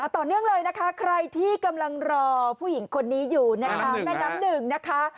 ต่อเนื่องเลยนะคะใครที่กำลังรอผู้หญิงคนนี้อยู่นะคะแม่น้ำหนึ่งนะคะ